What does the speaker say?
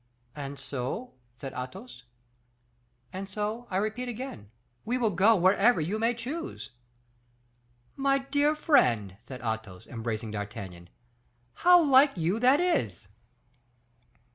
"And so ?" said Athos. "And so, I repeat again, we will go wherever you may choose." "My dear friend," said Athos, embracing D'Artagnan, "how like you that is!"